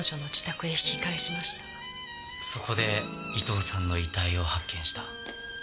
そこで伊東さんの遺体を発見した。